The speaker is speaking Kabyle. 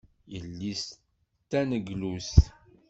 Yelli-s d taneglust.